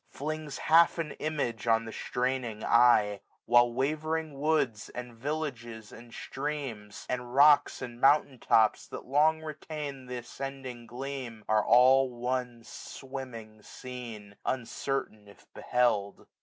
Flings half an image on the straining eye j While wavering woods, and villages, and streams. SUMMER. iii And rocks, and mountain tops, that long retained 1690 Th' ascending gleam, are all one swimming scene ; Uncertain if beheld.